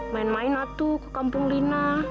main main atu ke kampung lina